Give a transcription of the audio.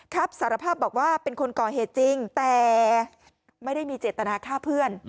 สารภาพบอกว่าเป็นคนก่อเหตุจริงแต่ไม่ได้มีเจตนาฆ่าเพื่อน